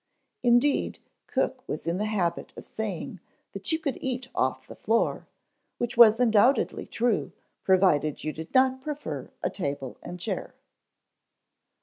Indeed, cook was in the habit of saying that you could eat off the floor, which was undoubtedly true provided you did not prefer a table and chair.